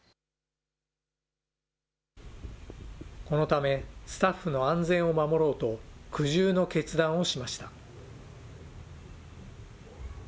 このため、スタッフの安全を守ろうと苦渋の決断をしました。